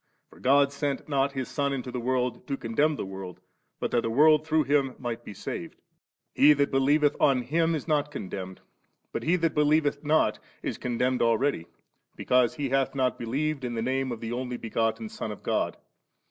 For God sent not His Son mto the world to condemn the world, but that the world through Him might be saved. He that believeth on Him is not condemned, but he that believeth not is con demned already, because he hath not believed in the Name of the Only begotten Son of God.